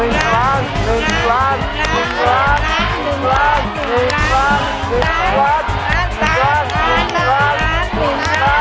เอาแล้วมาลุ้น